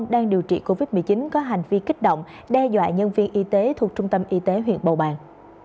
đang điều trị covid một mươi chín có hành vi kích động đe dọa nhân viên y tế thuộc trung tâm y tế huyện bầu bàng